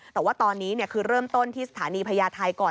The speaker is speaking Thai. แต่ว่าตอนนี้คือเริ่มต้นที่สถานีพญาไทยก่อน